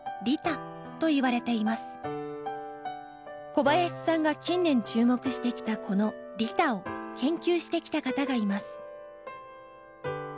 小林さんが近年注目してきたこの利他を研究してきた方がいます。